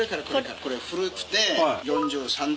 これ古くて４３度。